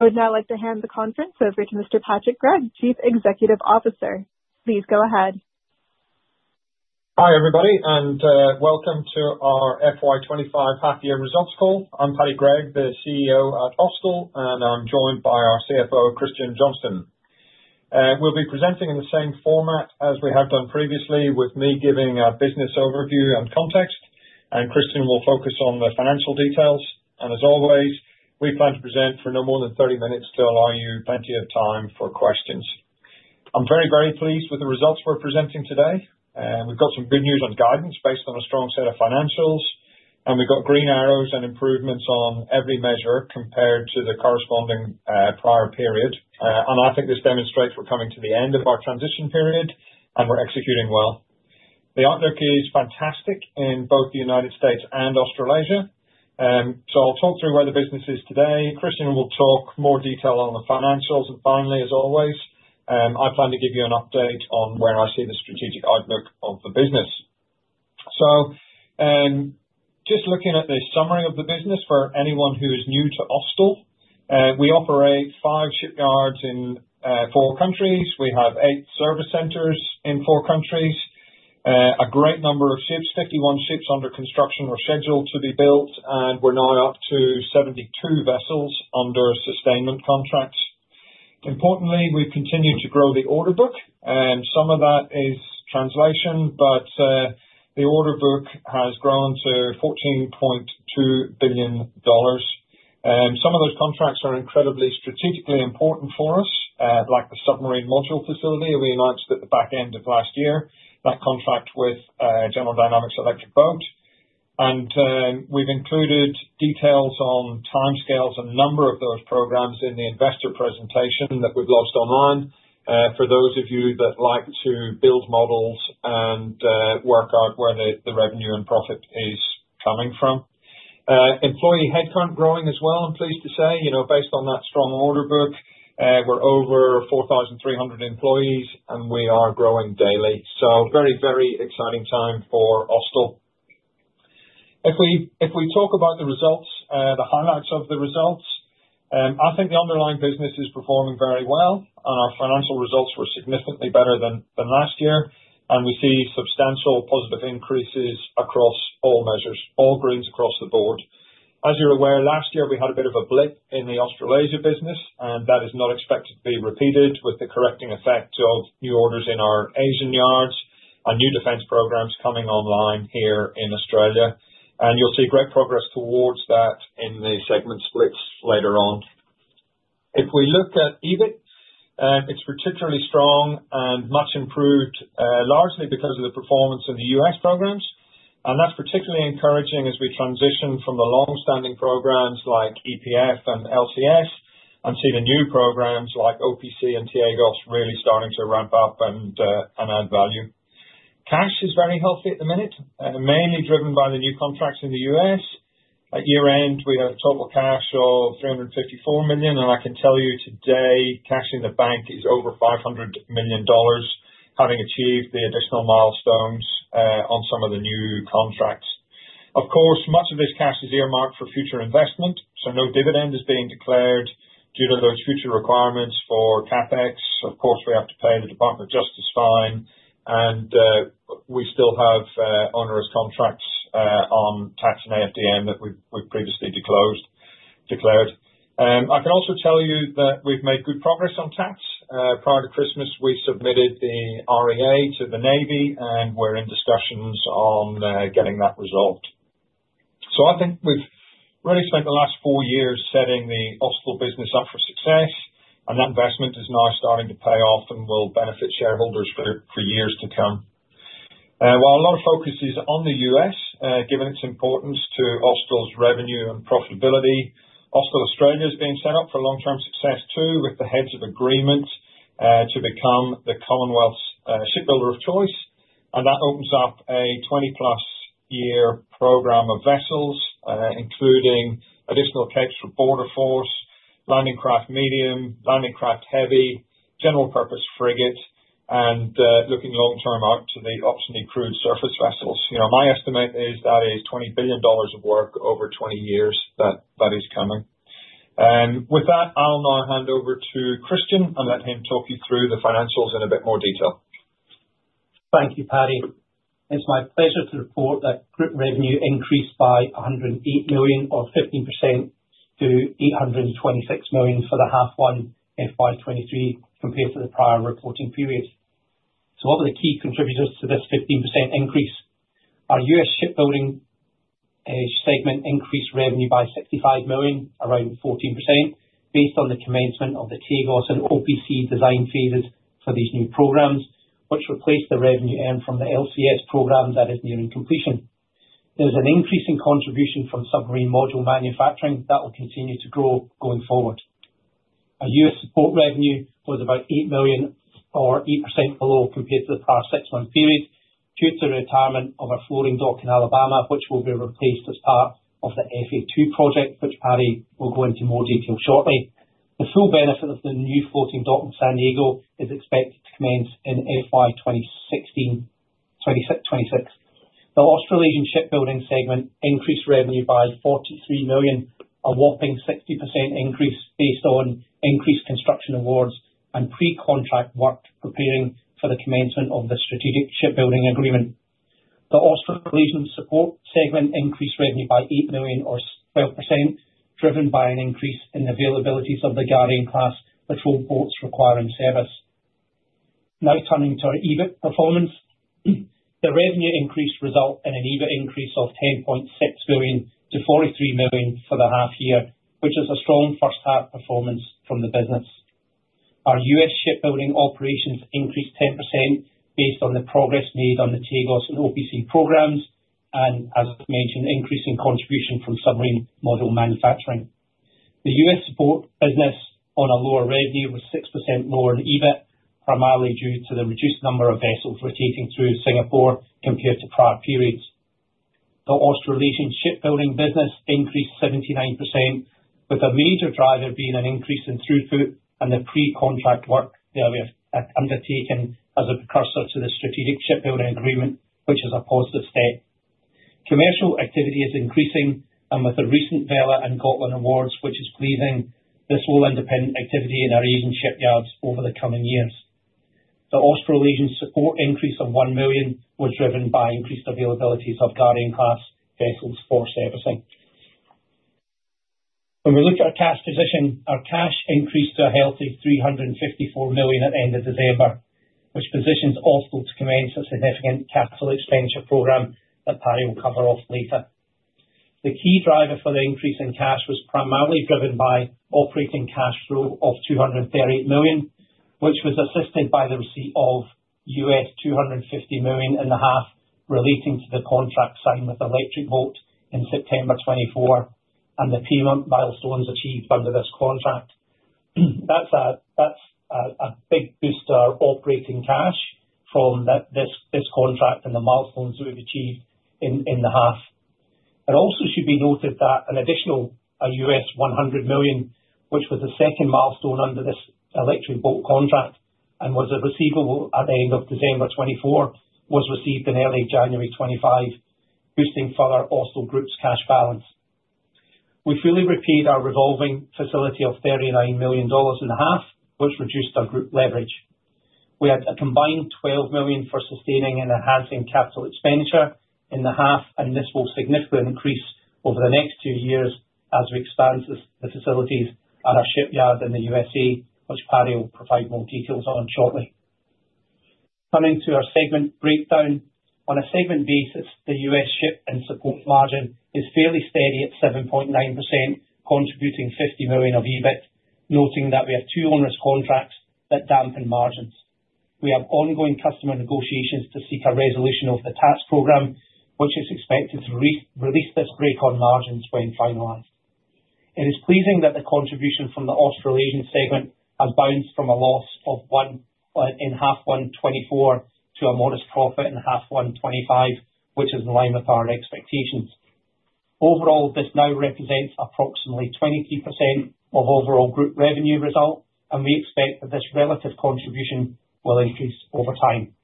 Would now like to hand the conference over to Mr. Paddy Gregg, Chief Executive Officer. Please go ahead. Hi, everybody, and welcome to our FY25 half-year results call. I'm Paddy Gregg, the CEO at Austal, and I'm joined by our CFO, Christian Johnston. We'll be presenting in the same format as we have done previously, with me giving a business overview and context, and Christian will focus on the financial details. And as always, we plan to present for no more than 30 minutes to allow you plenty of time for questions. I'm very, very pleased with the results we're presenting today. We've got some good news on guidance based on a strong set of financials, and we've got green arrows and improvements on every measure compared to the corresponding prior period. And I think this demonstrates we're coming to the end of our transition period, and we're executing well. The outlook is fantastic in both the United States and Australasia. So I'll talk through where the business is today. Christian will talk more detail on the financials. And finally, as always, I plan to give you an update on where I see the strategic outlook of the business. So just looking at the summary of the business for anyone who is new to Austal, we operate five shipyards in four countries. We have eight service centers in four countries, a great number of ships. 51 ships under construction were scheduled to be built, and we're now up to 72 vessels under sustainment contracts. Importantly, we've continued to grow the order book, and some of that is translation, but the order book has grown to 14.2 billion dollars. Some of those contracts are incredibly strategically important for us, like the Submarine Module Facility we announced at the back end of last year, that contract with General Dynamics Electric Boat. We've included details on timescales and number of those programs in the investor presentation that's hosted online for those of you that like to build models and work out where the revenue and profit is coming from. Employee headcount growing as well. I'm pleased to say, based on that strong order book, we're over 4,300 employees, and we are growing daily. Very, very exciting time for Austal. If we talk about the results, the highlights of the results, I think the underlying business is performing very well, and our financial results were significantly better than last year. We see substantial positive increases across all measures, all greens across the board. As you're aware, last year we had a bit of a blip in the Australasia business, and that is not expected to be repeated with the correcting effect of new orders in our Asian yards and new defense programs coming online here in Australia, and you'll see great progress towards that in the segment splits later on. If we look at EBIT, it's particularly strong and much improved, largely because of the performance in the U.S. programs, and that's particularly encouraging as we transition from the long-standing programs like EPF and LCS and see the new programs like OPC and T-AGOS really starting to ramp up and add value. Cash is very healthy at the minute, mainly driven by the new contracts in the U.S. At year-end, we had a total cash of 354 million, and I can tell you today cash in the bank is over 500 million dollars, having achieved the additional milestones on some of the new contracts. Of course, much of this cash is earmarked for future investment, so no dividend is being declared due to those future requirements for CapEx. Of course, we have to pay the Department of Justice fine, and we still have onerous contracts on LCS and AFDM that we've previously declared. I can also tell you that we've made good progress on LCS. Prior to Christmas, we submitted the REA to the Navy, and we're in discussions on getting that resolved. So I think we've really spent the last four years setting the Austal business up for success, and that investment is now starting to pay off and will benefit shareholders for years to come. While a lot of focus is on the U.S., given its importance to Austal's revenue and profitability, Austal Australia is being set up for long-term success too, with the Heads of Agreement to become the Commonwealth's shipbuilder of choice, and that opens up a 20-plus year program of vessels, including additional Capes for Border Force, Landing Craft Medium, Landing Craft Heavy, General Purpose Frigate, and looking long-term out to the Optionally Crewed Surface Vessels. My estimate is that is 20 billion dollars of work over 20 years that is coming. With that, I'll now hand over to Christian and let him talk you through the financials in a bit more detail. Thank you, Paddy. It's my pleasure to report that group revenue increased by 108 million, or 15%, to 826 million for the H1 FY25 compared to the prior reporting period. So what were the key contributors to this 15% increase? Our U.S. shipbuilding segment increased revenue by 65 million, around 14%, based on the commencement of the T-AGOS and OPC design phases for these new programs, which replaced the revenue from the LCS program that is nearing completion. There's an increasing contribution from submarine module manufacturing that will continue to grow going forward. Our U.S. support revenue was about eight million, or 8% below, compared to the prior six-month period, due to the retirement of our floating dock in Alabama, which will be replaced as part of the Phase 2 project, which Paddy will go into more detail shortly. The full benefit of the new floating dock in San Diego is expected to commence in FY26. The Australasian shipbuilding segment increased revenue by 43 million, a whopping 60% increase based on increased construction awards and pre-contract work preparing for the commencement of the strategic shipbuilding agreement. The Australasian support segment increased revenue by 8 million, or 12%, driven by an increase in the availabilities of the Guardian-class patrol boats requiring service. Now turning to our EBIT performance, the revenue increase resulted in an EBIT increase of 10.6 million to 43 million for the half-year, which is a strong first-half performance from the business. Our U.S. shipbuilding operations increased 10% based on the progress made on the T-AGOS and OPC programs, and as mentioned, increasing contribution from submarine module manufacturing. The U.S. support business on a lower revenue was 6% more in EBIT, primarily due to the reduced number of vessels rotating through Singapore compared to prior periods. The Australasian shipbuilding business increased 79%, with a major driver being an increase in throughput and the pre-contract work that we have undertaken as a precursor to the Strategic Shipbuilding Agreement, which is a positive state. Commercial activity is increasing, and with the recent Vela and Gotland awards, which is pleasing, this will underpin activity in our Asian shipyards over the coming years. The Australasian support increase of 1 million was driven by increased availabilities of Guardian-class vessels for servicing. When we look at our cash position, our cash increased to a healthy 354 million at the end of December, which positions Austal to commence a significant capital expenditure program that Paddy will cover off later. The key driver for the increase in cash was primarily driven by operating cash flow of 238 million, which was assisted by the receipt of $250.5 million relating to the contract signed with Electric Boat in September 2024 and the payment milestones achieved under this contract. That's a big boost to our operating cash from this contract and the milestones we've achieved in the half. It also should be noted that an additional $100 million, which was the second milestone under this Electric Boat contract and was a receivable at the end of December 2024, was received in early January 2025, boosting further Austal Group's cash balance. We fully repaid our revolving facility of 39.5 million dollars, which reduced our group leverage. We had a combined 12 million for sustaining and enhancing capital expenditure in the half, and this will significantly increase over the next two years as we expand the facilities at our shipyard in the USA, which Paddy will provide more details on shortly. Turning to our segment breakdown, on a segment basis, the U.S. ship and support margin is fairly steady at 7.9%, contributing 50 million of EBIT, noting that we have two onerous contracts that dampen margins. We have ongoing customer negotiations to seek a resolution of the LCS program, which is expected to relieve this brake on margins when finalized. It is pleasing that the contribution from the Australasian segment has bounced from a loss of one in H1 2024 to a modest profit in H1 2025, which is in line with our expectations. Overall, this now represents approximately 23% of overall group revenue result, and we expect that this relative contribution will increase over time.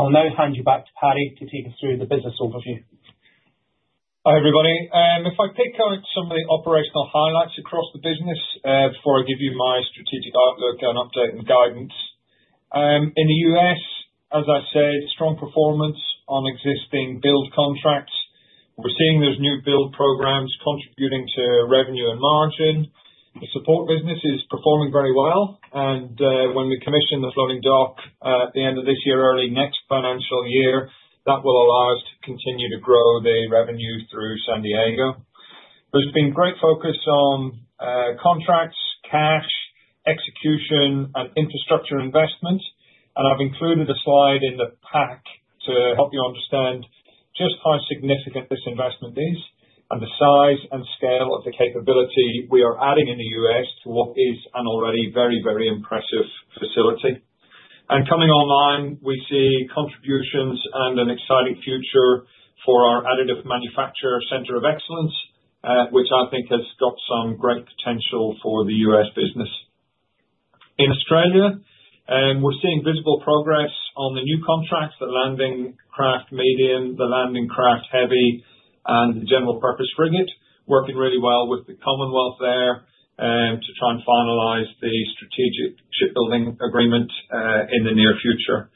I'll now hand you back to Paddy to take us through the business overview. Hi, everybody. If I pick out some of the operational highlights across the business before I give you my strategic outlook and update on guidance. In the U.S., as I said, strong performance on existing build contracts. We're seeing those new build programs contributing to revenue and margin. The support business is performing very well, and when we commission the floating dock at the end of this year, early next financial year, that will allow us to continue to grow the revenue through San Diego. There's been great focus on contracts, cash, execution, and infrastructure investment, and I've included a slide in the pack to help you understand just how significant this investment is and the size and scale of the capability we are adding in the U.S. to what is an already very, very impressive facility. Coming online, we see contributions and an exciting future for our additive manufacturing Center of Excellence, which I think has got some great potential for the U.S. business. In Australia, we're seeing visible progress on the new contracts, the Landing Craft Medium, the Landing Craft Heavy, and the General Purpose Frigate, working really well with the Commonwealth there to try and finalize the Strategic Shipbuilding Agreement in the near future.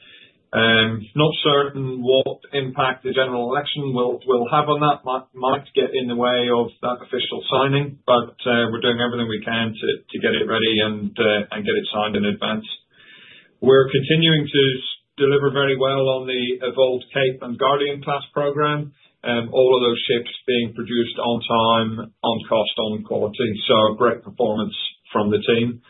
Not certain what impact the general election will have on that, might get in the way of that official signing, but we're doing everything we can to get it ready and get it signed in advance. We're continuing to deliver very well on the Evolved Cape-class and Guardian-class program, all of those ships being produced on time, on cost, on quality. Great performance from the team.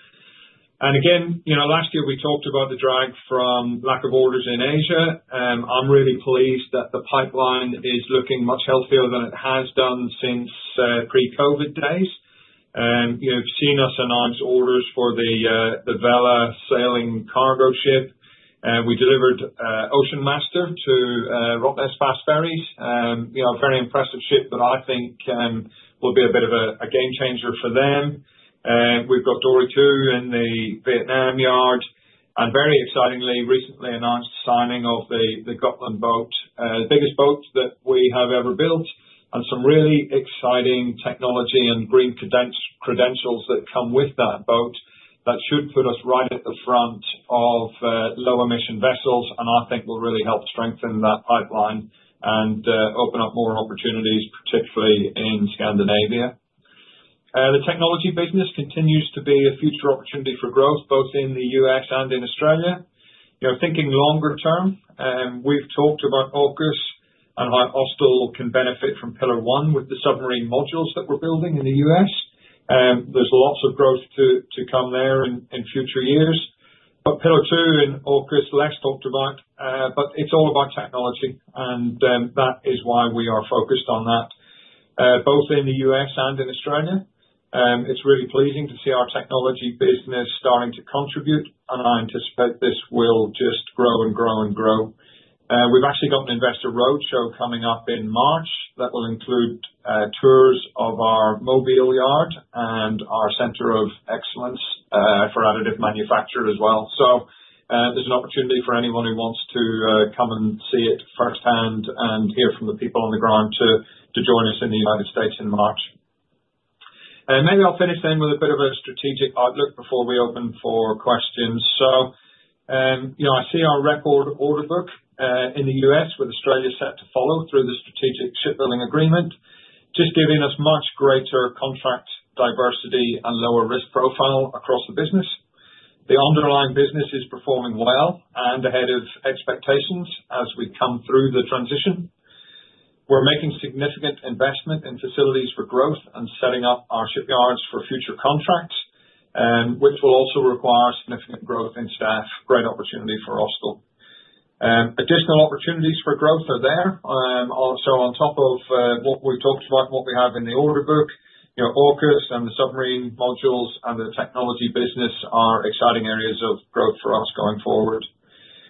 And again, last year we talked about the drag from lack of orders in Asia. I'm really pleased that the pipeline is looking much healthier than it has done since pre-COVID days. You've seen us announce orders for the Vela sailing cargo ship. We delivered Harbour Master to Rottnest Fast Ferries, a very impressive ship that I think will be a bit of a game changer for them. We've got Dory 2 in the Vietnam yard, and very excitingly, recently announced signing of the Gotland boat, the biggest boat that we have ever built, and some really exciting technology and green credentials that come with that boat that should put us right at the front of low-emission vessels, and I think will really help strengthen that pipeline and open up more opportunities, particularly in Scandinavia. The technology business continues to be a future opportunity for growth, both in the U.S. and in Australia. Thinking longer term, we've talked about AUKUS and how Austal can benefit from Pillar One with the submarine modules that we're building in the U.S. There's lots of growth to come there in future years, but Pillar Two and AUKUS, less talked about, but it's all about technology, and that is why we are focused on that, both in the U.S. and in Australia. It's really pleasing to see our technology business starting to contribute, and I anticipate this will just grow and grow and grow. We've actually got an investor roadshow coming up in March that will include tours of our Mobile yard and our Center of Excellence for Additive Manufacturing as well. There's an opportunity for anyone who wants to come and see it firsthand and hear from the people on the ground to join us in the United States in March. Maybe I'll finish then with a bit of a strategic outlook before we open for questions. I see our record order book in the U.S. with Australia set to follow through the Strategic Shipbuilding Agreement, just giving us much greater contract diversity and lower risk profile across the business. The underlying business is performing well and ahead of expectations as we come through the transition. We're making significant investment in facilities for growth and setting up our shipyards for future contracts, which will also require significant growth in staff, great opportunity for Austal. Additional opportunities for growth are there. So on top of what we talked about and what we have in the order book, AUKUS and the submarine modules and the technology business are exciting areas of growth for us going forward.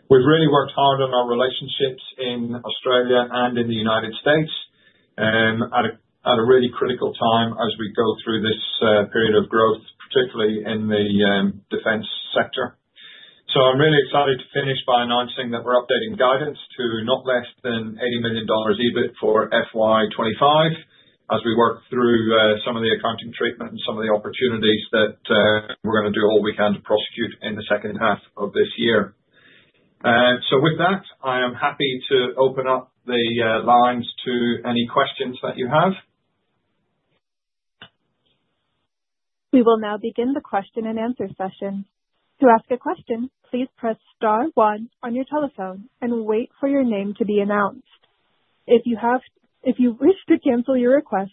We've really worked hard on our relationships in Australia and in the United States at a really critical time as we go through this period of growth, particularly in the defense sector. So I'm really excited to finish by announcing that we're updating guidance to not less than $80 million EBIT for FY25 as we work through some of the accounting treatment and some of the opportunities that we're going to do all weekend to prosecute in the second half of this year. So with that, I am happy to open up the lines to any questions that you have. We will now begin the question and answer session. To ask a question, please press star one on your telephone and wait for your name to be announced. If you wish to cancel your request,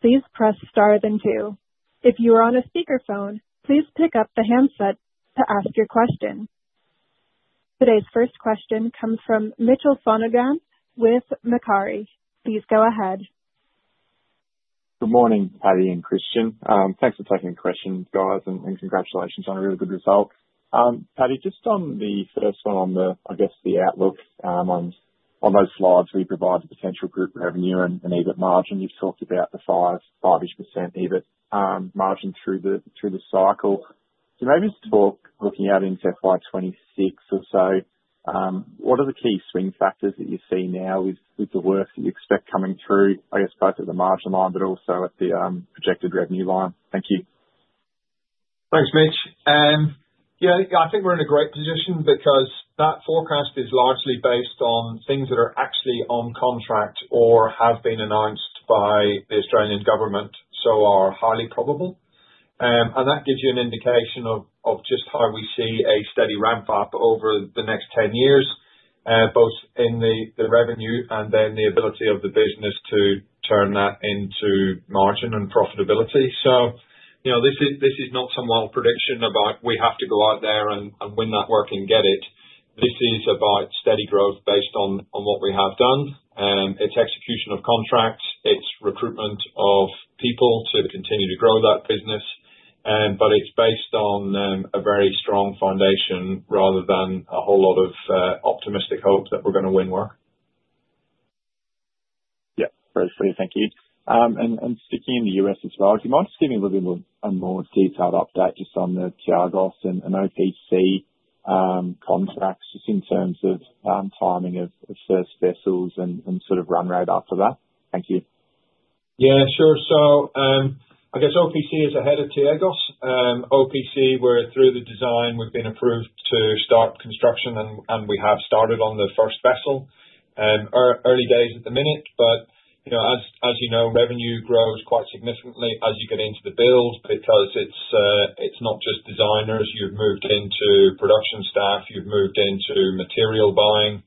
please press star then two. If you are on a speakerphone, please pick up the handset to ask your question. Today's first question comes from Mitchell Sonogan with Macquarie. Please go ahead. Good morning, Paddy and Christian. Thanks for taking the question, guys, and congratulations on a really good result. Paddy, just on the first one on the, I guess, the outlook on those slides we provide the potential group revenue and EBIT margin, you've talked about the five-ish % EBIT margin through the cycle. So maybe just talk looking out into FY26 or so, what are the key swing factors that you see now with the work that you expect coming through, I guess, both at the margin line but also at the projected revenue line? Thank you. Thanks, Mitchell. I think we're in a great position because that forecast is largely based on things that are actually on contract or have been announced by the Australian government, so are highly probable, and that gives you an indication of just how we see a steady ramp-up over the next 10 years, both in the revenue and then the ability of the business to turn that into margin and profitability, so this is not some wild prediction about we have to go out there and win that work and get it. This is about steady growth based on what we have done. It's execution of contracts, it's recruitment of people to continue to grow that business, but it's based on a very strong foundation rather than a whole lot of optimistic hope that we're going to win work. Yeah, very clear. Thank you. And speaking in the U.S. as well, do you mind just giving a little bit more detailed update just on the T-AGOS and OPC contracts, just in terms of timing of first vessels and sort of run rate after that? Thank you. Yeah, sure, so I guess OPC is ahead of T-AGOS. OPC, we're through the design, we've been approved to start construction, and we have started on the first vessel. Early days at the minute, but as you know, revenue grows quite significantly as you get into the build because it's not just designers, you've moved into production staff, you've moved into material buying,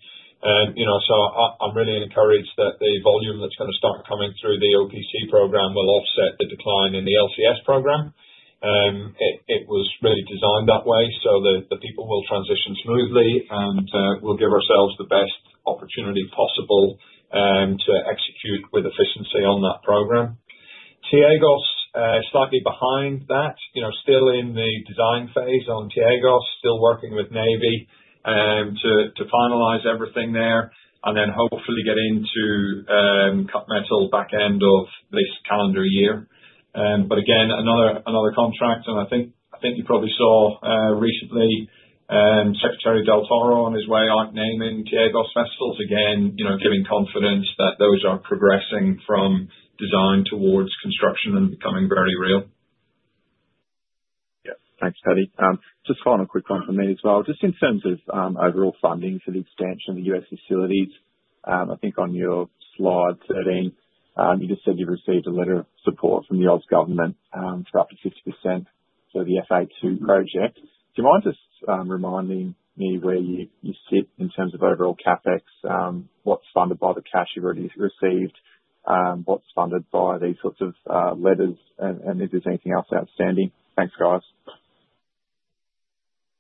so I'm really encouraged that the volume that's going to start coming through the OPC program will offset the decline in the LCS program. It was really designed that way, so the people will transition smoothly and we'll give ourselves the best opportunity possible to execute with efficiency on that program. T-AGOS, slightly behind that, still in the design phase on T-AGOS, still working with Navy to finalize everything there and then hopefully get into cut metal back end of this calendar year. But again, another contract, and I think you probably saw recently Secretary Del Toro on his way out naming T-AGOS vessels, again, giving confidence that those are progressing from design towards construction and becoming very real. Yeah, thanks, Paddy. Just following a quick one from me as well. Just in terms of overall funding for the expansion of the U.S. facilities, I think on your slide 13, you just said you've received a letter of support from the Australian government for up to 50% for the Phase 2 project. Do you mind just reminding me where you sit in terms of overall CapEx, what's funded by the cash you've already received, what's funded by these sorts of letters, and if there's anything else outstanding? Thanks, guys.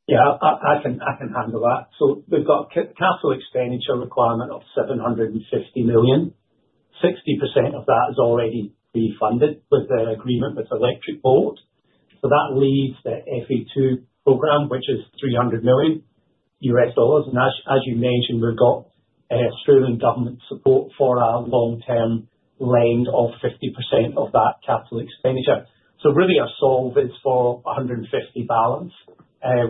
Yeah, I can handle that. So we've got capital expenditure requirement of $750 million. 60% of that is already funded with the agreement with Electric Boat. So that leaves the Phase 2 program, which is $300 million USD. And as you mentioned, we've got Australian government support for our long-term loan of 50% of that capital expenditure. So really our solution is for $150 million balance.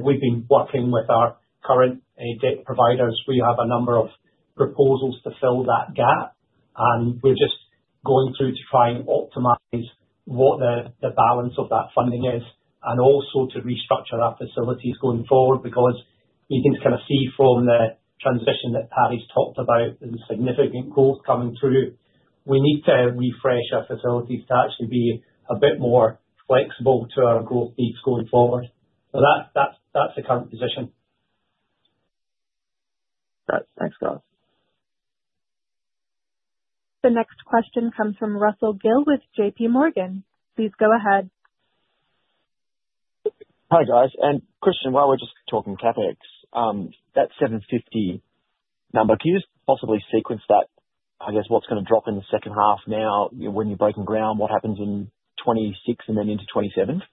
We've been working with our current debt providers. We have a number of proposals to fill that gap, and we're just going through to try and optimize what the balance of that funding is and also to restructure our facilities going forward because we can kind of see from the transition that Paddy's talked about, there's a significant growth coming through. We need to refresh our facilities to actually be a bit more flexible to our growth needs going forward. So that's the current position. Thanks, guys. The next question comes from Russell Gill with J.P. Morgan. Please go ahead. Hi, guys. And Christian, while we're just talking CapEx, that $750 number, can you just possibly sequence that, I guess, what's going to drop in the second half now when you're breaking ground, what happens in 2026 and then into 2027?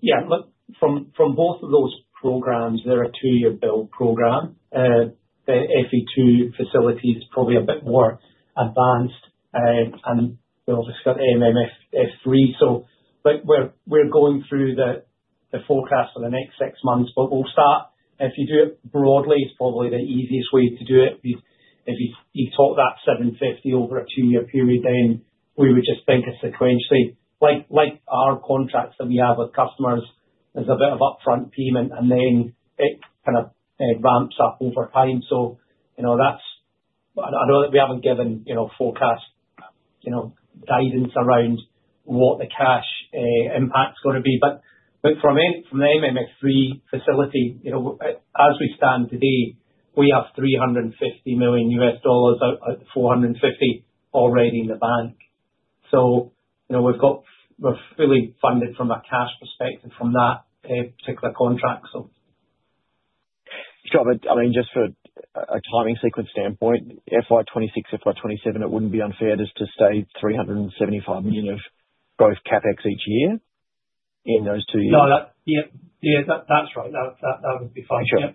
Yeah, look, from both of those programs, there are two-year build programs. The Phase 2 facility is probably a bit more advanced, and we'll discuss AMMF 3. So we're going through the forecast for the next six months, but we'll start, if you do it broadly, it's probably the easiest way to do it. If you talk that $750 over a two-year period, then we would just think it sequentially. Like our contracts that we have with customers, there's a bit of upfront payment, and then it kind of ramps up over time. So I know that we haven't given forecast guidance around what the cash impact's going to be, but from the AMMF 3 facility, as we stand today, we have $350 million U.S. dollars out of the $450 already in the bank. So we've got really funded from a cash perspective from that particular contract, so. Sure, but I mean, just for a timing sequence standpoint, FY26, FY27, it wouldn't be unfair just to stay $375 million of both CapEx each year in those two years? No, that's right. That would be fine. Yep.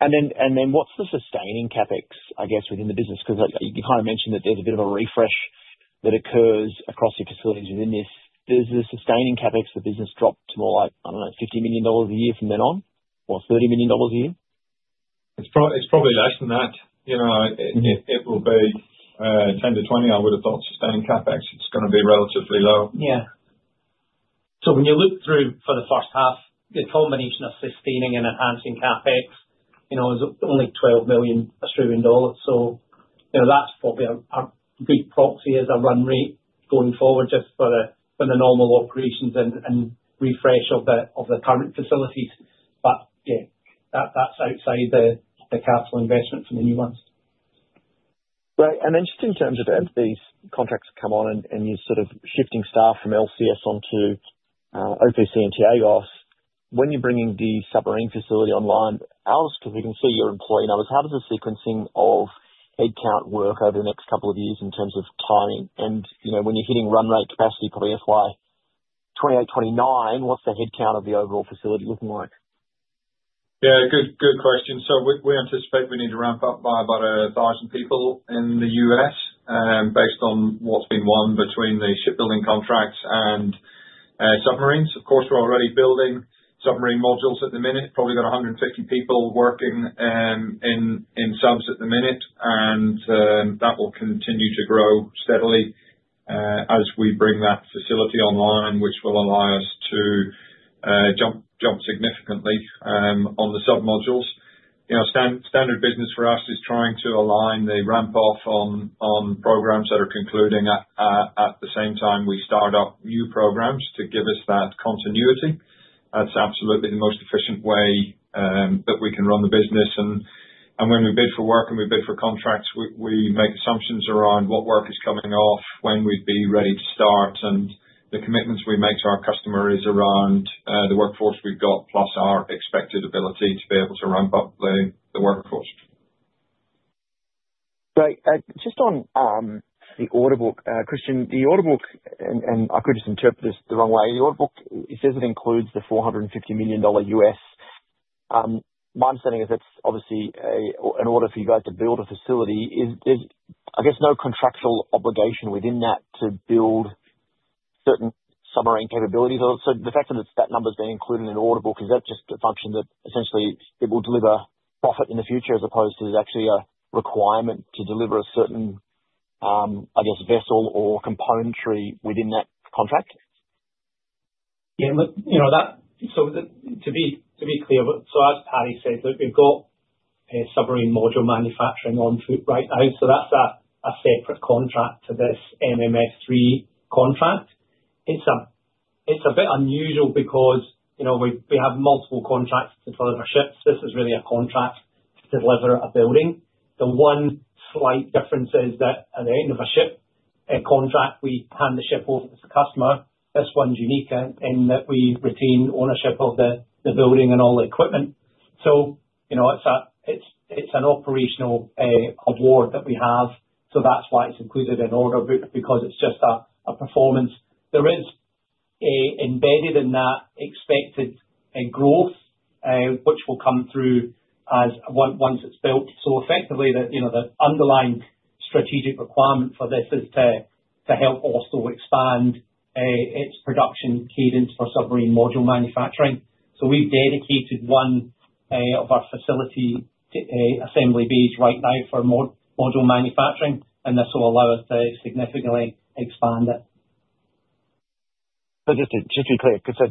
And then what's the sustaining CapEx, I guess, within the business? Because you kind of mentioned that there's a bit of a refresh that occurs across your facilities within this. Is the sustaining CapEx for business dropped to more like, I don't know, $50 million a year from then on, or $30 million a year? It's probably less than that. If it will be 10 to 20, I would have thought sustained CapEx is going to be relatively low. Yeah. So when you look through for the first half, the combination of sustaining and enhancing CapEx is only 12 million Australian dollars. So that's probably a good proxy as a run rate going forward just for the normal operations and refresh of the current facilities. But yeah, that's outside the capital investment for the new ones. Right. And then just in terms of, as these contracts come on and you're sort of shifting staff from LCS onto OPC and T-AGOS, when you're bringing the submarine facility online, how does, because we can see your employee numbers, how does the sequencing of headcount work over the next couple of years in terms of timing? And when you're hitting run rate capacity, probably FY 2028, 2029, what's the headcount of the overall facility looking like? Yeah, good question. So we anticipate we need to ramp up by about 1,000 people in the U.S. based on what's been won between the shipbuilding contracts and submarines. Of course, we're already building submarine modules at the minute, probably got 150 people working in subs at the minute, and that will continue to grow steadily as we bring that facility online, which will allow us to jump significantly on the sub modules. Standard business for us is trying to align the ramp-off on programs that are concluding at the same time we start up new programs to give us that continuity. That's absolutely the most efficient way that we can run the business. When we bid for work and we bid for contracts, we make assumptions around what work is coming off, when we'd be ready to start, and the commitments we make to our customer is around the workforce we've got plus our expected ability to be able to ramp up the workforce. Right. Just on the order book, Christian, the order book, and I could just interpret this the wrong way, the order book, it says it includes the $450 million U.S. My understanding is it's obviously an order for you guys to build a facility. Is there, I guess, no contractual obligation within that to build certain submarine capabilities? So the fact that that number's been included in the order book, is that just a function that essentially it will deliver profit in the future as opposed to it's actually a requirement to deliver a certain, I guess, vessel or componentry within that contract? Yeah, look, so to be clear, so as Paddy said, we've got a submarine module manufacturing afoot right now. So that's a separate contract to this AMMF 3 contract. It's a bit unusual because we have multiple contracts to deliver ships. This is really a contract to deliver a building. The one slight difference is that at the end of a ship contract, we hand the ship over to the customer. This one's unique in that we retain ownership of the building and all the equipment. So it's an operational award that we have. So that's why it's included in order books because it's just a performance. There is embedded in that expected growth, which will come through once it's built. So effectively, the underlying strategic requirement for this is to help also expand its production cadence for submarine module manufacturing. So we've dedicated one of our facility assembly bays right now for module manufacturing, and this will allow us to significantly expand it. So just to be clear, because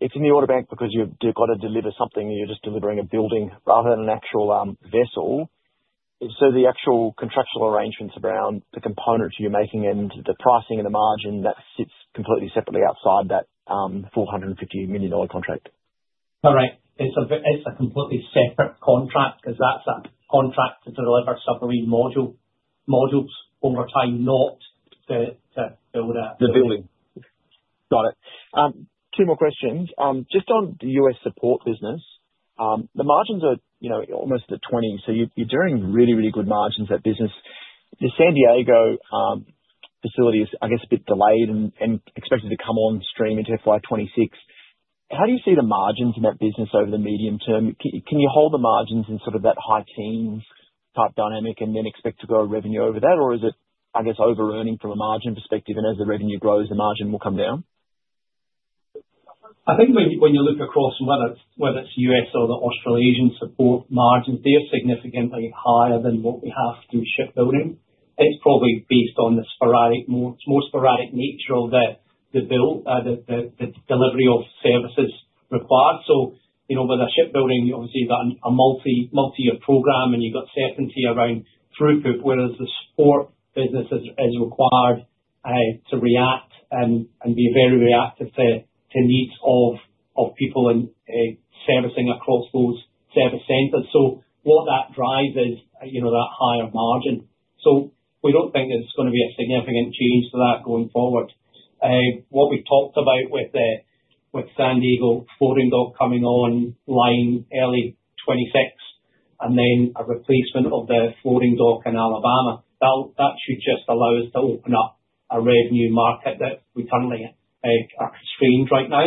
it's in the order bank because you've got to deliver something, and you're just delivering a building rather than an actual vessel. So the actual contractual arrangements around the components you're making and the pricing and the margin, that sits completely separately outside that $450 million contract? Correct. It's a completely separate contract because that's a contract to deliver submarine modules over time, not to build a. The building. Got it. Two more questions. Just on the U.S. support business, the margins are almost at 20%, so you're doing really, really good margins at business. The San Diego facility is, I guess, a bit delayed and expected to come on stream into FY26. How do you see the margins in that business over the medium term? Can you hold the margins in sort of that high teens type dynamic and then expect to grow revenue over that, or is it, I guess, over-earning from a margin perspective? And as the revenue grows, the margin will come down? I think when you look across whether it's U.S. or the Australasian support margins, they're significantly higher than what we have through shipbuilding. It's probably based on the more sporadic nature of the delivery of services required. So with our shipbuilding, obviously, you've got a multi-year program, and you've got certainty around throughput, whereas the support business is required to react and be very reactive to needs of people and servicing across those service centers. So what that drives is that higher margin. So we don't think there's going to be a significant change to that going forward. What we talked about with San Diego floating dock coming on line early 2026 and then a replacement of the floating dock in Alabama, that should just allow us to open up a revenue market that we currently are constrained right now.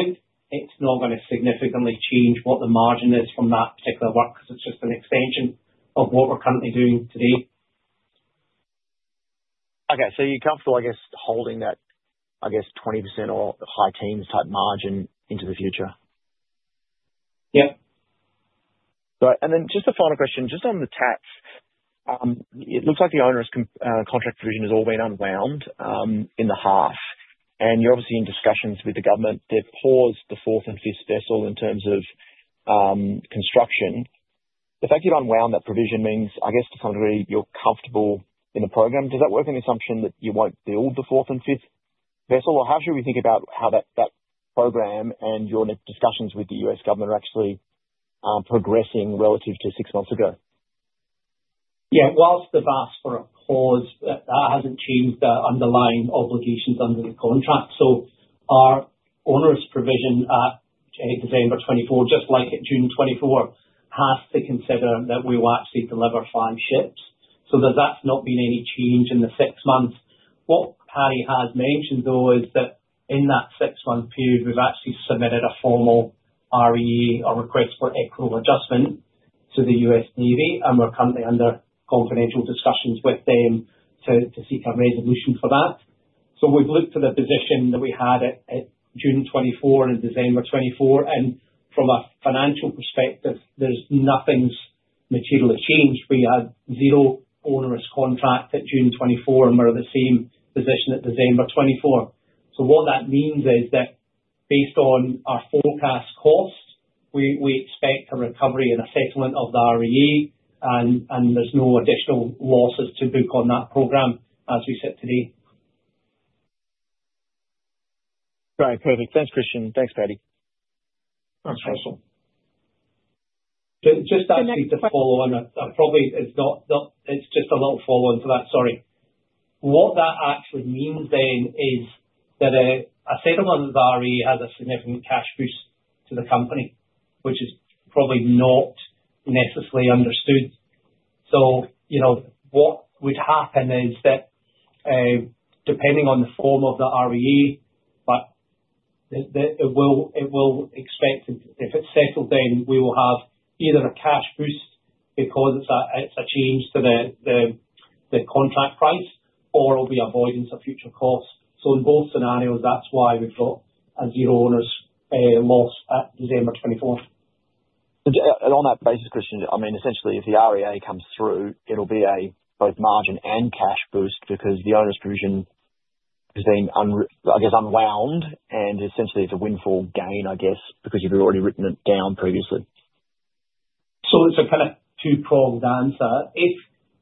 It's not going to significantly change what the margin is from that particular work because it's just an extension of what we're currently doing today. Okay. So you're comfortable, I guess, holding that, I guess, 20% or high teens type margin into the future? Yep. Right. And then just a final question, just on the tax. It looks like the onerous contract provision has all been unwound in the half, and you're obviously in discussions with the government to pause the fourth and fifth vessel in terms of construction. The fact you've unwound that provision means, I guess, to some degree, you're comfortable in the program. Does that work on the assumption that you won't build the fourth and fifth vessel, or how should we think about how that program and your discussions with the U.S. government are actually progressing relative to six months ago? Yeah. While the pause for a vessel, that hasn't changed the underlying obligations under the contract. So our onerous provision at December 2024, just like at June 2024, has to consider that we will actually deliver five ships. So that's not been any change in the six months. What Paddy has mentioned, though, is that in that six-month period, we've actually submitted a formal REA or request for equitable adjustment to the U.S. Navy, and we're currently under confidential discussions with them to seek a resolution for that. So we've looked at the position that we had at June 2024 and December 2024, and from a financial perspective, nothing's materially changed. We had zero onerous provision at June 2024, and we're in the same position at December 2024. What that means is that based on our forecast cost, we expect a recovery and a settlement of the REA, and there's no additional losses to book on that program as we sit today. Right. Perfect. Thanks, Christian. Thanks, Paddy. Thanks, Russell. Just actually to follow on, it's just a little follow-on to that. Sorry. What that actually means then is that a settlement of the REA has a significant cash boost to the company, which is probably not necessarily understood. So what would happen is that depending on the form of the REA, it will expect that if it's settled, then we will have either a cash boost because it's a change to the contract price or it'll be avoidance of future costs. So in both scenarios, that's why we've got a zero onerous loss at December 2024. On that basis, Christian, I mean, essentially, if the REA comes through, it'll be both margin and cash boost because the onerous provision has been, I guess, unwound, and essentially, it's a windfall gain, I guess, because you've already written it down previously. It's a kind of two-pronged answer. If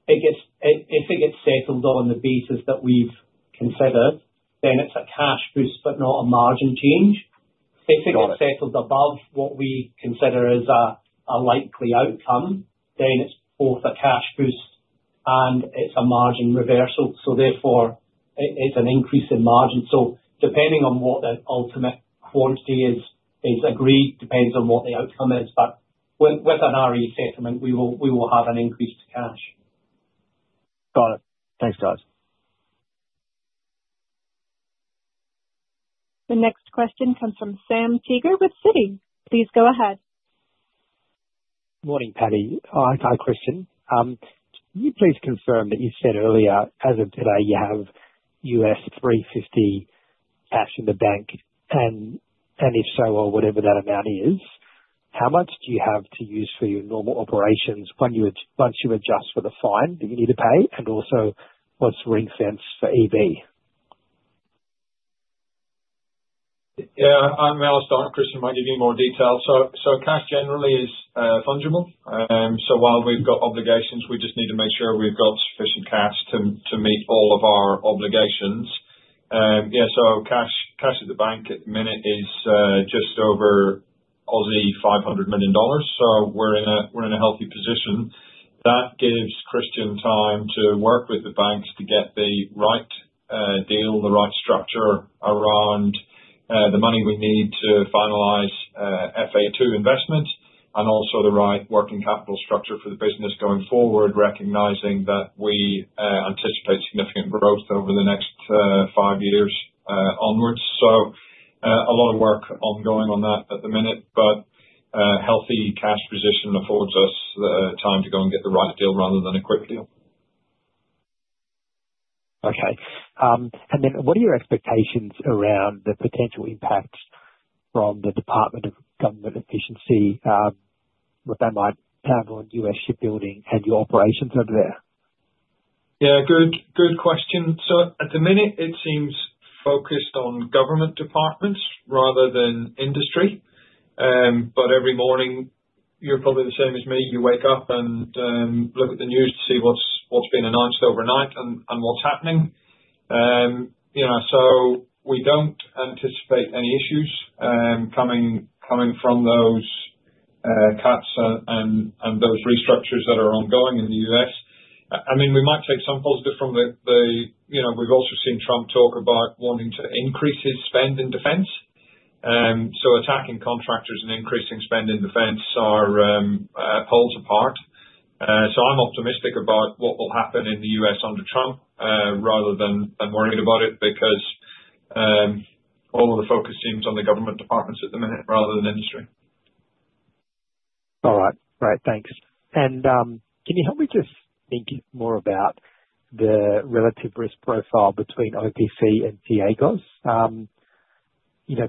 it gets settled on the basis that we've considered, then it's a cash boost but not a margin change. If it gets settled above what we consider is a likely outcome, then it's both a cash boost and it's a margin reversal. Therefore, it's an increase in margin. Depending on what the ultimate quantity is agreed, depends on what the outcome is. With an REA settlement, we will have an increase to cash. Got it. Thanks, guys. The next question comes from Samuel Teeger with Citi. Please go ahead. Morning, Paddy. Hi, Christian. Can you please confirm that you said earlier, as of today, you have $350 cash in the bank, and if so, or whatever that amount is, how much do you have to use for your normal operations once you adjust for the fine that you need to pay, and also what's ring-fenced for EB? Yeah. I'm well-stocked, Christian. Might give you more detail. So cash generally is fungible. So while we've got obligations, we just need to make sure we've got sufficient cash to meet all of our obligations. Yeah. So cash at the bank at the minute is just over 500 million dollars. So we're in a healthy position. That gives Christian time to work with the banks to get the right deal, the right structure around the money we need to finalize Phase 2 investments, and also the right working capital structure for the business going forward, recognizing that we anticipate significant growth over the next five years onwards. So a lot of work ongoing on that at the minute, but a healthy cash position affords us time to go and get the right deal rather than a quick deal. Okay. And then what are your expectations around the potential impact from the Department of Government Efficiency, what that might have on U.S. shipbuilding and your operations over there? Yeah. Good question. So at the minute, it seems focused on government departments rather than industry. But every morning, you're probably the same as me. You wake up and look at the news to see what's been announced overnight and what's happening. So we don't anticipate any issues coming from those cuts and those restructures that are ongoing in the U.S. I mean, we might take some positive from the we've also seen Trump talk about wanting to increase his spend in defense. So attacking contractors and increasing spend in defense are poles apart. So I'm optimistic about what will happen in the U.S. under Trump rather than worrying about it because all of the focus seems on the government departments at the minute rather than industry. All right. Right. Thanks. And can you help me just think more about the relative risk profile between OPC and T-AGOS?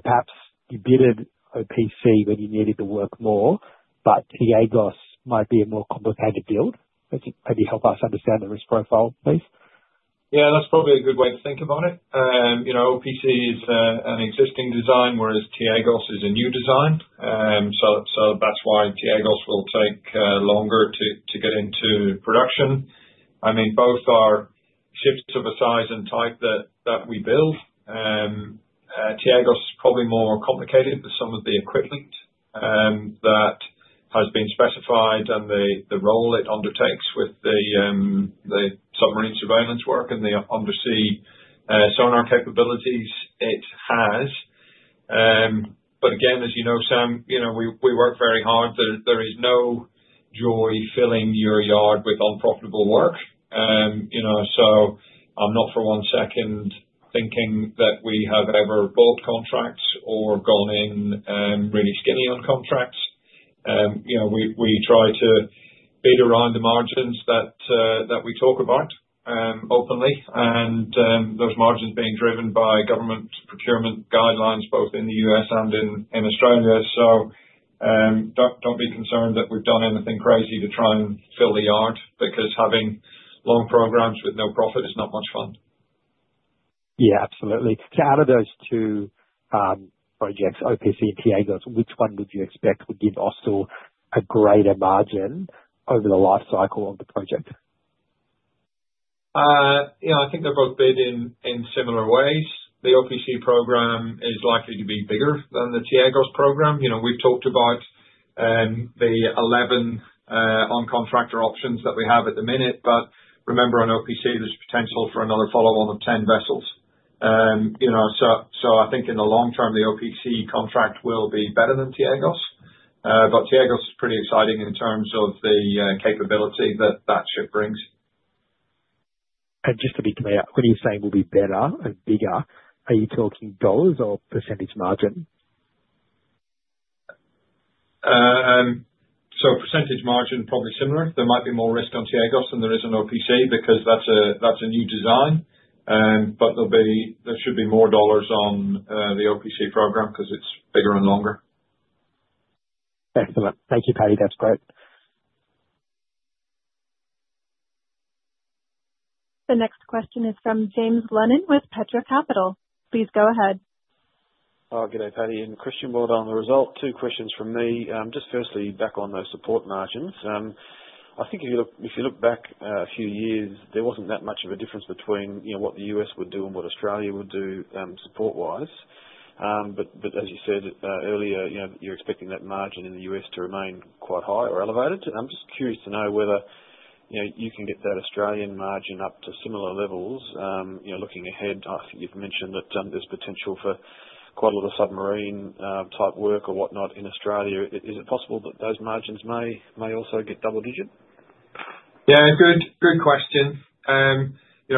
Perhaps you bidded OPC when you needed to work more, but T-AGOS might be a more complicated deal. Maybe help us understand the risk profile, please. Yeah. That's probably a good way to think about it. OPC is an existing design, whereas T-AGOS is a new design. So that's why T-AGOS will take longer to get into production. I mean, both are ships of a size and type that we build. T-AGOS is probably more complicated with some of the equipment that has been specified and the role it undertakes with the submarine surveillance work and the undersea sonar capabilities it has. But again, as you know, Sam, we work very hard. There is no joy filling your yard with unprofitable work. So I'm not for one second thinking that we have ever bought contracts or gone in really skinny on contracts. We try to bid around the margins that we talk about openly, and those margins being driven by government procurement guidelines both in the U.S. and in Australia. So don't be concerned that we've done anything crazy to try and fill the yard because having long programs with no profit is not much fun. Yeah. Absolutely, so out of those two projects, OPC and T-AGOS, which one would you expect would give us a greater margin over the lifecycle of the project? I think they've both bid in similar ways. The OPC program is likely to be bigger than the T-AGOS program. We've talked about the 11 uncontracted options that we have at the minute, but remember, on OPC, there's potential for another follow-on of 10 vessels, so I think in the long term, the OPC contract will be better than T-AGOS, but T-AGOS is pretty exciting in terms of the capability that that ship brings. Just to be clear, when you're saying will be better and bigger, are you talking dollars or percentage margin? So percentage margin probably similar. There might be more risk on T-AGOS than there is on OPC because that's a new design, but there should be more dollars on the OPC program because it's bigger and longer. Excellent. Thank you, Paddy. That's great. The next question is from James Lennon with Petra Capital. Please go ahead. Oh, good day, Paddy. And Christian on the result. Two questions from me. Just firstly, back on those support margins. I think if you look back a few years, there wasn't that much of a difference between what the U.S. would do and what Australia would do support-wise. But as you said earlier, you're expecting that margin in the U.S. to remain quite high or elevated. I'm just curious to know whether you can get that Australian margin up to similar levels. Looking ahead, I think you've mentioned that there's potential for quite a lot of submarine-type work or whatnot in Australia. Is it possible that those margins may also get double-digit? Yeah. Good question.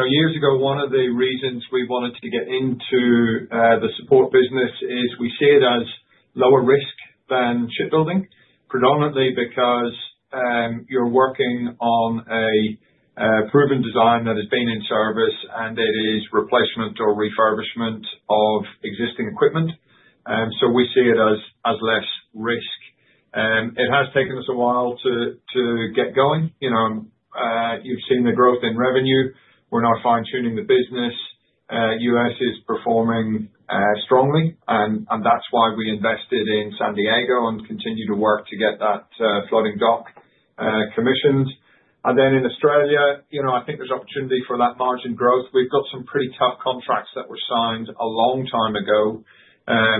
Years ago, one of the reasons we wanted to get into the support business is we see it as lower risk than shipbuilding, predominantly because you're working on a proven design that has been in service and it is replacement or refurbishment of existing equipment. So we see it as less risk. It has taken us a while to get going. You've seen the growth in revenue. We're now fine-tuning the business. U.S. is performing strongly, and that's why we invested in San Diego and continue to work to get that floating dock commissioned. And then in Australia, I think there's opportunity for that margin growth. We've got some pretty tough contracts that were signed a long time ago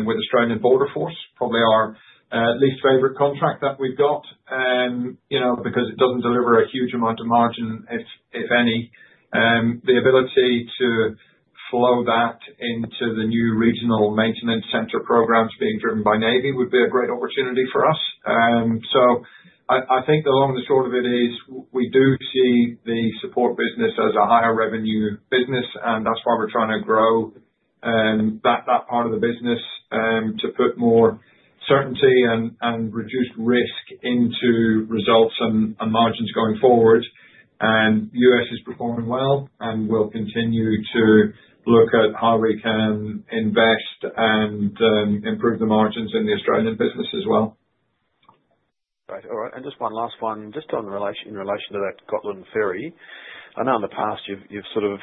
with Australian Border Force, probably our least favorite contract that we've got, because it doesn't deliver a huge amount of margin, if any. The ability to flow that into the new Regional Maintenance Centre programs being driven by Navy would be a great opportunity for us, so I think the long and the short of it is we do see the support business as a higher revenue business, and that's why we're trying to grow that part of the business to put more certainty and reduced risk into results and margins going forward, and U.S. is performing well and will continue to look at how we can invest and improve the margins in the Australian business as well. Right. All right. And just one last one, just in relation to that Gotland ferry. I know in the past you've sort of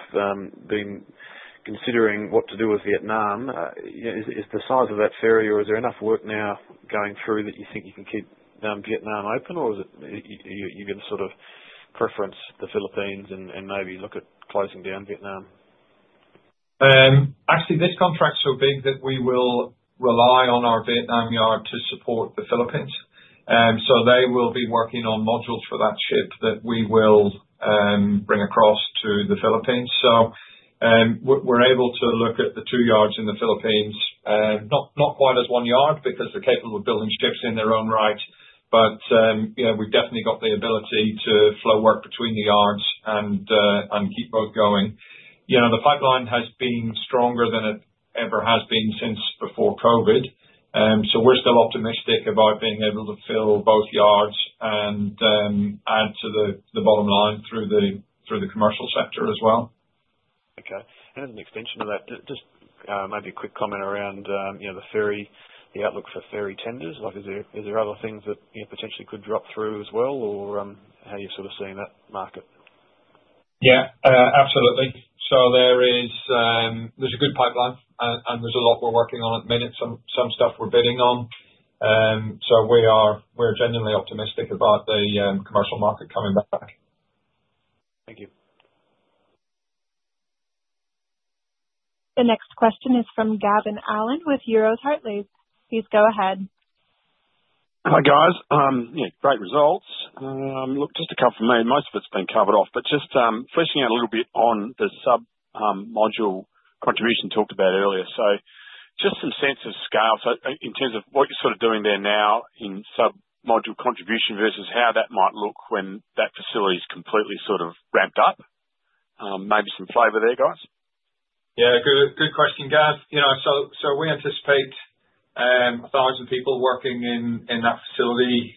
been considering what to do with Vietnam. Is the size of that ferry, or is there enough work now going through that you think you can keep Vietnam open, or are you going to sort of preference the Philippines and maybe look at closing down Vietnam? Actually, this contract's so big that we will rely on our Vietnam yard to support the Philippines. So they will be working on modules for that ship that we will bring across to the Philippines. So we're able to look at the two yards in the Philippines, not quite as one yard because they're capable of building ships in their own right, but we've definitely got the ability to flow work between the yards and keep both going. The pipeline has been stronger than it ever has been since before COVID. So we're still optimistic about being able to fill both yards and add to the bottom line through the commercial sector as well. Okay, and as an extension of that, just maybe a quick comment around the outlook for ferry tenders. Is there other things that potentially could drop through as well, or how you're sort of seeing that market? Yeah. Absolutely. So there's a good pipeline, and there's a lot we're working on at the minute. Some stuff we're bidding on. So we're genuinely optimistic about the commercial market coming back. Thank you. The next question is from Gavin Allen with Euroz Hartleys. Please go ahead. Hi, guys. Great results. Look, just to cover for me, most of it's been covered off, but just fleshing out a little bit on the submodule contribution talked about earlier. So just some sense of scale in terms of what you're sort of doing there now in submodule contribution versus how that might look when that facility is completely sort of ramped up. Maybe some flavor there, guys? Yeah. Good question, guys, so we anticipate 1,000 people working in that facility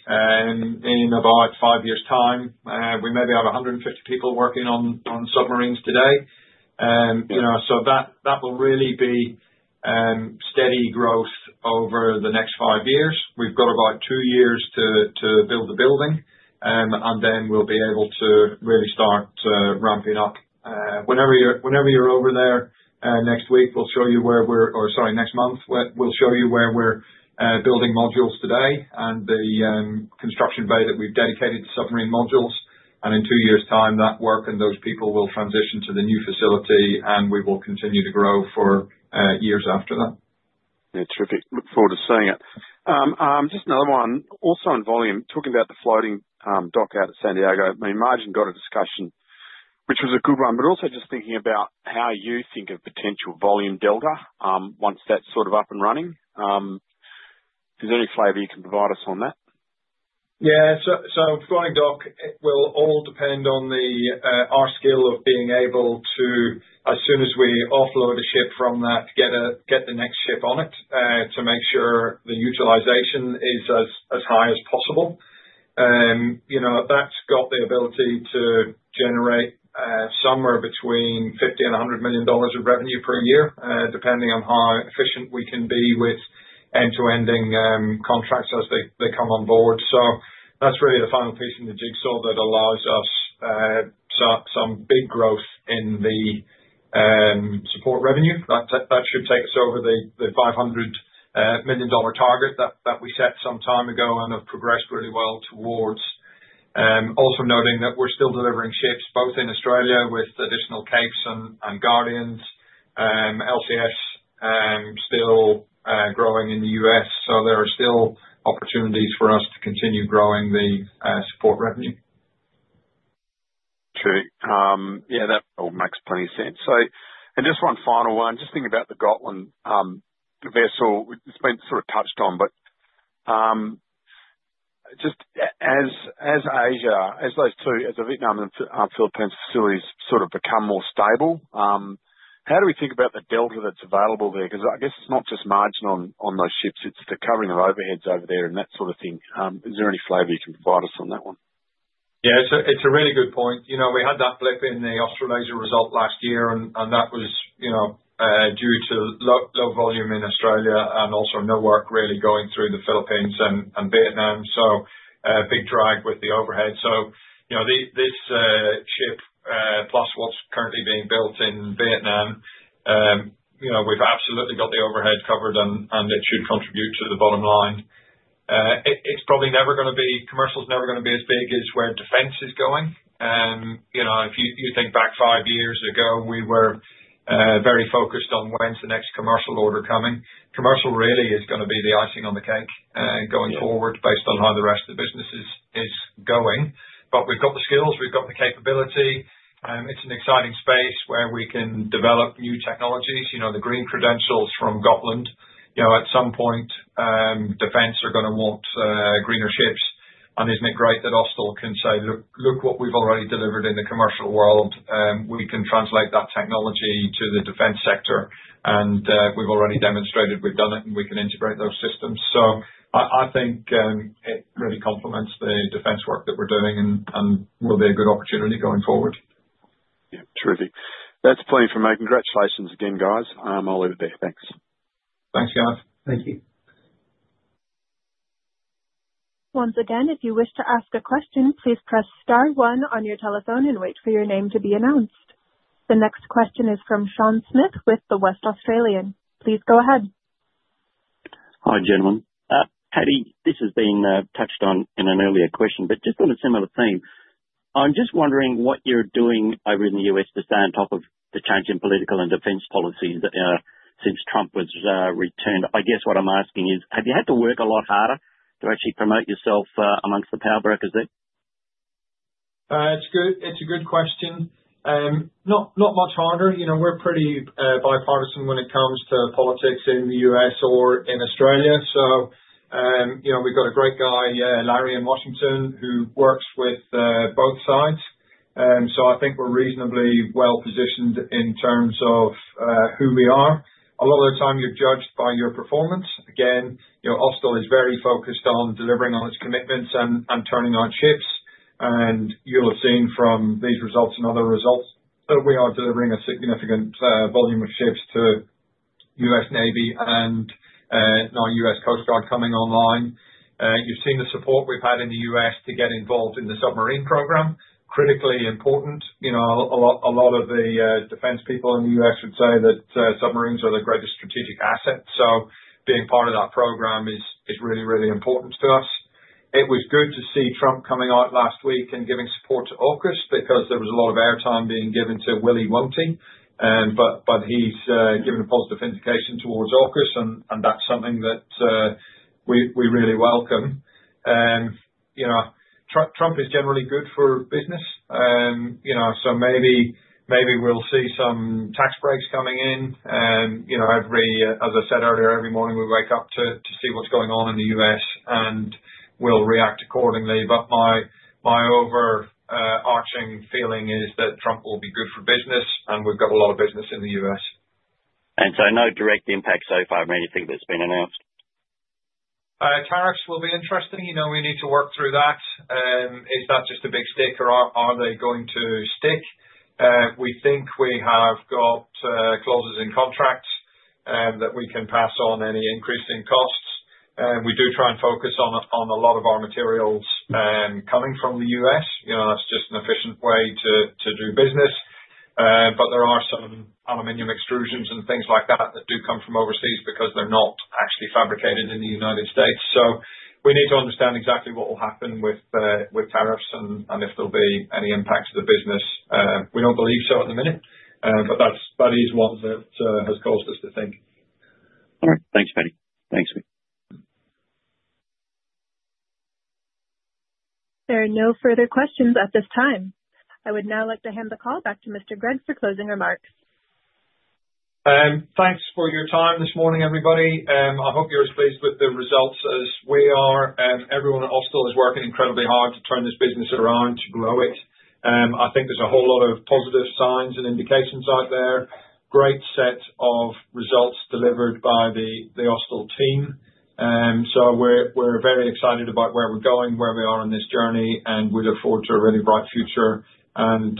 in about five years' time. We maybe have 150 people working on submarines today, so that will really be steady growth over the next five years. We've got about two years to build the building, and then we'll be able to really start ramping up. Whenever you're over there next week, we'll show you where we're, sorry, next month, we'll show you where we're building modules today and the construction bay that we've dedicated to submarine modules, and in two years' time, that work and those people will transition to the new facility, and we will continue to grow for years after that. Yeah. Terrific. Look forward to seeing it. Just another one. Also in volume, talking about the floating dock out at San Diego, I mean, margin got a discussion, which was a good one, but also just thinking about how you think of potential volume delta once that's sort of up and running. Is there any flavor you can provide us on that? Yeah. So floating dock will all depend on our skill of being able to, as soon as we offload a ship from that, get the next ship on it to make sure the utilization is as high as possible. That's got the ability to generate somewhere between $50 million and $100 million of revenue per year, depending on how efficient we can be with end-to-end contracts as they come on board. So that's really the final piece in the jigsaw that allows us some big growth in the support revenue. That should take us over the $500 million target that we set some time ago and have progressed really well towards. Also noting that we're still delivering ships both in Australia with additional Capes and Guardians. LCS still growing in the U.S., so there are still opportunities for us to continue growing the support revenue. Terrific. Yeah. That all makes plenty of sense. And just one final one. Just thinking about the Gotland vessel, it's been sort of touched on, but just as Asia, as those two, as the Vietnam and Philippines facilities sort of become more stable, how do we think about the delta that's available there? Because I guess it's not just margin on those ships. It's the covering of overheads over there and that sort of thing. Is there any flavor you can provide us on that one? Yeah. It's a really good point. We had that blip in the Australasia result last year, and that was due to low volume in Australia and also no work really going through the Philippines and Vietnam. So big drag with the overhead. So this ship, plus what's currently being built in Vietnam, we've absolutely got the overhead covered, and it should contribute to the bottom line. It's probably never going to be. Commercial's never going to be as big as where defense is going. If you think back five years ago, we were very focused on when's the next commercial order coming. Commercial really is going to be the icing on the cake going forward based on how the rest of the business is going. But we've got the skills. We've got the capability. It's an exciting space where we can develop new technologies. The green credentials from Gotland, at some point, defense are going to want greener ships. And isn't it great that Austal can say, "Look what we've already delivered in the commercial world. We can translate that technology to the defense sector, and we've already demonstrated we've done it, and we can integrate those systems." So I think it really complements the defense work that we're doing and will be a good opportunity going forward. Yeah. Terrific. That's plenty for me. Congratulations again, guys. I'll leave it there. Thanks. Thanks, guys. Thank you. Once again, if you wish to ask a question, please press star one on your telephone and wait for your name to be announced. The next question is from Sean Smith with The West Australian. Please go ahead. Hi, gentlemen. Paddy, this has been touched on in an earlier question, but just on a similar theme, I'm just wondering what you're doing over in the U.S. to stay on top of the change in political and defense policies since Trump was returned. I guess what I'm asking is, have you had to work a lot harder to actually promote yourself amongst the power brokers there? It's a good question. Not much harder. We're pretty bipartisan when it comes to politics in the U.S. or in Australia. So we've got a great guy, Larry in Washington, who works with both sides. So I think we're reasonably well positioned in terms of who we are. A lot of the time, you're judged by your performance. Again, Austal is very focused on delivering on its commitments and turning out ships. And you'll have seen from these results and other results that we are delivering a significant volume of ships to U.S. Navy and now U.S. Coast Guard coming online. You've seen the support we've had in the U.S. to get involved in the submarine program. Critically important. A lot of the defense people in the U.S. would say that submarines are the greatest strategic asset. So being part of that program is really, really important to us. It was good to see Trump coming out last week and giving support to AUKUS because there was a lot of airtime being given to will he, won't he but he's given a positive indication towards AUKUS, and that's something that we really welcome. Trump is generally good for business, so maybe we'll see some tax breaks coming in. As I said earlier, every morning we wake up to see what's going on in the U.S., and we'll react accordingly, but my overarching feeling is that Trump will be good for business, and we've got a lot of business in the U.S. And so no direct impact so far from anything that's been announced? Tariffs will be interesting. We need to work through that. Is that just a big stick, or are they going to stick? We think we have got clauses in contracts that we can pass on any increase in costs. We do try and focus on a lot of our materials coming from the U.S. That's just an efficient way to do business. But there are some aluminum extrusions and things like that that do come from overseas because they're not actually fabricated in the United States. So we need to understand exactly what will happen with tariffs and if there'll be any impact to the business. We don't believe so at the minute, but that is one that has caused us to think. All right. Thanks, Paddy. Thanks, heaps. There are no further questions at this time. I would now like to hand the call back to Mr. Gregg for closing remarks. Thanks for your time this morning, everybody. I hope you're as pleased with the results as we are. Everyone at Austal is working incredibly hard to turn this business around, to grow it. I think there's a whole lot of positive signs and indications out there. Great set of results delivered by the Austal team. So we're very excited about where we're going, where we are in this journey, and we look forward to a really bright future. And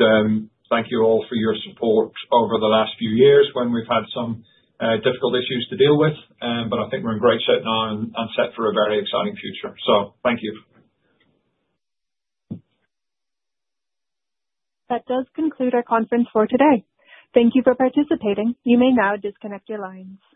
thank you all for your support over the last few years when we've had some difficult issues to deal with, but I think we're in great shape now and set for a very exciting future. So thank you. That does conclude our conference for today. Thank you for participating. You may now disconnect your lines.